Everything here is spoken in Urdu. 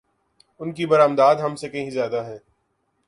ان کی برآمدات ہم سے کہیں زیادہ ہیں۔